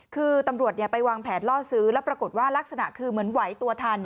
คือตำรวจไปวางแผนล่อซื้อแล้วปรากฏว่ารักษณะคือเหมือนไหวตัวทัน